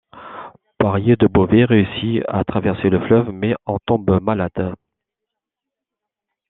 Poirier de Beauvais réussit à traverser le fleuve, mais en tombe malade.